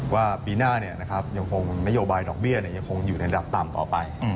ว่าปีหน้ายังคงนโยบายดอกเบี้ยยังคงอยู่ในระดับต่ำต่อไป